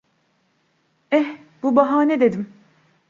Eh. Bu bahane dedim.